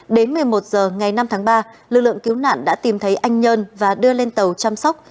đến một mươi một h ngày năm tháng ba lực lượng cứu nạn đã tìm thấy anh nhân và đưa lên tàu chăm sóc